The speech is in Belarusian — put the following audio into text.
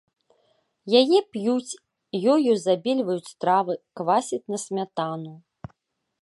Яе п'юць, ёю забельваюць стравы, квасяць на смятану.